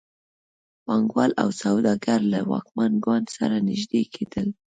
پانګوال او سوداګر له واکمن ګوند سره نږدې کېدل.